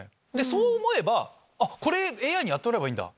そう思えばこれＡＩにやってもらえばいいんだ